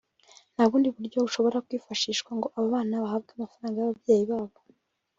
nta bundi buryo bushobora kwifashishwa ngo abo bana bahabwe amafaranga y’ababyeyi babo